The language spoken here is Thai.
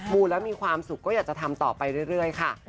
ูแล้วมีความสุขก็อยากจะทำต่อไปเรื่อยค่ะ